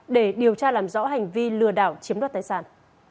để điều tra làm rõ hành vi lừa đảo chiếm đoạt tài sản